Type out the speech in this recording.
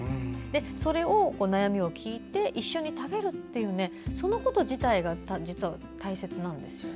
それを、悩みを聞いて一緒に食べるということ自体が実は大切なんですよね。